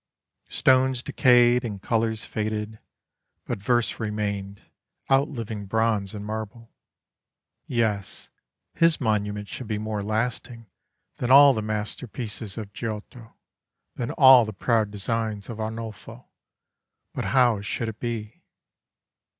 Stones decayed, and colours faded, but verse remained, outliving bronze and marble. Yes, his monument should be more lasting than all the masterpieces of Giotto, than all the proud designs of Arnolfo; but how should it be?